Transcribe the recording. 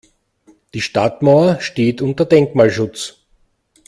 Die Stadtmauer steht unter Denkmalschutz.